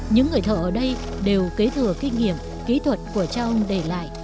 những người thợ ở đây đều kế thừa kinh nghiệm kỹ thuật của cha ông để lại